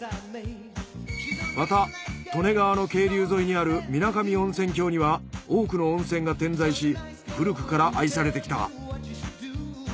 また利根川の渓流沿いにある水上温泉郷には多くの温泉が点在し古くから愛されてきた。